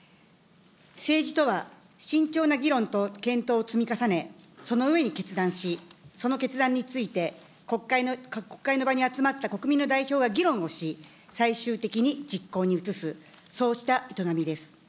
政治とは、慎重な議論を積み重ねその上に決断し、その決断について、国会の場に集まった国民の代表が議論をし、最終的に実行に移す、そうした営みです。